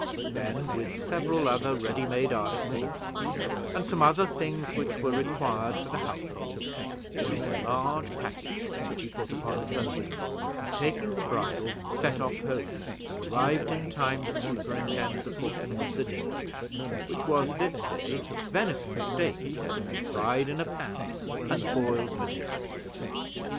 Then, with several other ready made articles, and some other things which were required for the household, he made a large package, which he put upon the pony, and, taking the bridle, set off home, and arrived in time to superintend the cooking of the dinner, which was this day venison steaks fried in a pan, and boiled potatoes.